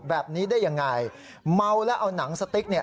แบบนี้ได้อย่างไรเมาแล้วเอาหนังสติ๊ก